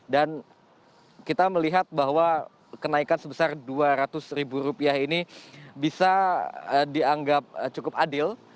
dan kita melihat bahwa kenaikan sebesar dua ratus rupiah ini bisa dianggap cukup adil